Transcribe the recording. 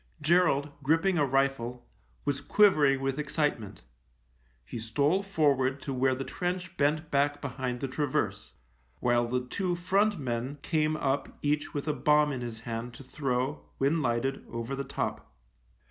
Gerald, gripping a rifle, was quivering with excitement. He stole forward to where the trench bent back behind the traverse, while THE LIEUTENANT 45 the two front men came up each with a bomb in his hand to throw, when lighted, over the top.